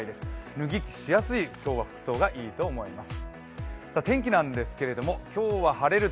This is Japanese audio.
脱ぎ着しやすい服装が今日はいいと思います。